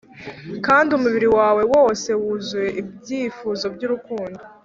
kandi umubiri wawe wose wuzuye ibyifuzo byurukundo!